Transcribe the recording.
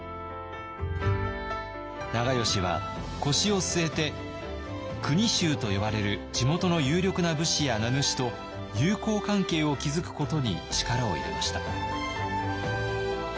長慶は腰を据えて「国衆」と呼ばれる地元の有力な武士や名主と友好関係を築くことに力を入れました。